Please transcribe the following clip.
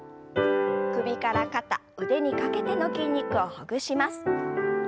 首から肩腕にかけての筋肉をほぐします。